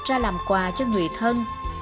ra làm quà cho người thân